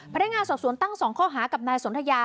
พนักงานสอบสวนตั้ง๒ข้อหากับนายสนทยา